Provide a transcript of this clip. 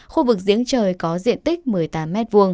khu vực diễn trời có diện tích một mươi tám m hai